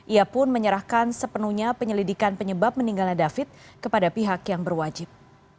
ia pun menyerahkan sepenuhnya penyelidikan penyebab meninggalnya david kepada pihak yang berwajib